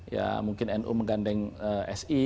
ya mungkin nu menggandeng si